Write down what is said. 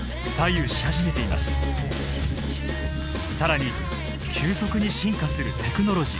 更に急速に進化するテクノロジー。